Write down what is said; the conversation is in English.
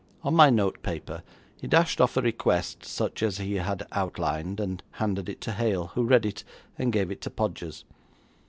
On my notepaper he dashed off a request such as he had outlined, and handed it to Hale, who read it and gave it to Podgers.